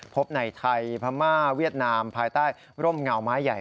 พบในไทยพม่าเวียดนามภายใต้ร่มเงาไม้ใหญ่